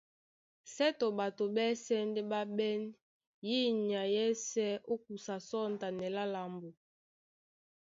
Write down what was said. Sětɔ ɓato ɓásɛ̄ ndé ɓá ɓɛ́n yí nyay yɛ́sē ó kusa sɔ̂ŋtanɛ lá mambo.